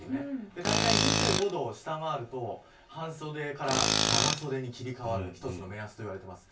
だいたい２５度を下回ると半袖から長袖に切り替わる一つの目安といわれています。